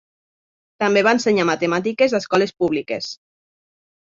També va ensenyar matemàtiques a escoles públiques.